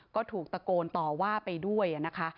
ก็ถูกตะโกนต่อว่าไปด้วยนะคะ